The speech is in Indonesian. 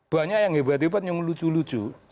banyak yang tiba tiba yang lucu lucu